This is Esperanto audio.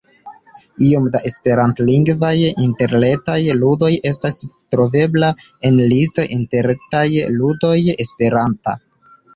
Iom da esperantlingvaj interretaj ludoj estas troveblaj en listo Interretaj ludoj esperanta.